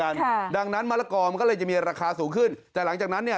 ค่ะดังนั้นมะละกอมันก็เลยจะมีราคาสูงขึ้นแต่หลังจากนั้นเนี่ย